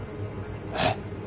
えっ？